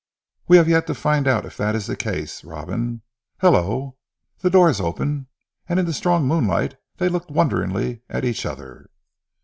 "We have yet to find out if that is the case Robin. Hullo! the door is open," and in the strong moonlight they looked wonderingly at each other.